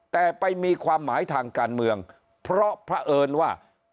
แต่ไปมีความหมายทางการเมืองเพราะพระเอิญว่า